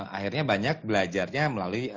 akhirnya banyak belajarnya melalui